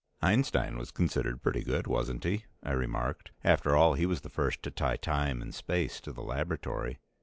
"Einstein was considered pretty good, wasn't he?" I remarked. "After all, he was the first to tie time and space to the laboratory.